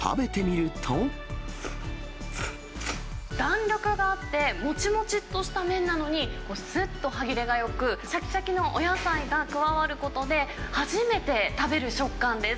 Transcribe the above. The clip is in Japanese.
弾力があって、もちもちっとした麺なのに、すっと歯切れがよく、しゃきしゃきのお野菜が加わることで、初めて食べる食感です。